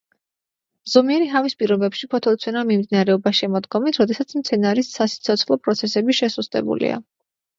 ზომიერი ჰავის პირობებში ფოთოლცვენა მიმდინარეობა შემოდგომით, როდესაც მცენარის სასიცოცხლო პროცესები შესუსტებულია.